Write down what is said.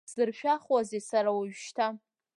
Сзыршәахуазеи сара уажәшьҭа…